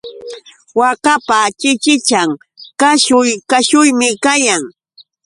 Waakapa chichichan kashuy kashuymi kayan.